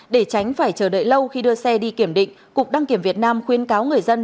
để tránh phải chờ đợi lâu khi đưa xe đi kiểm định cục đăng kiểm việt nam khuyên cáo người dân